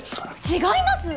違います！